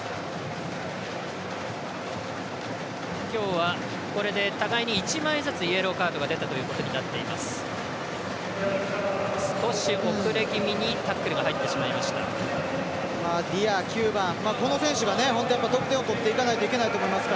今日は、これで互いに１枚ずつイエローカードが出たということになっています。